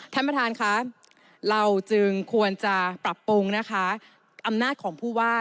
ท่านประธานค่ะเราจึงควรจะปรับปรุงนะคะอำนาจของผู้ว่า